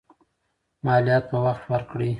مالیات په وخت ورکړئ.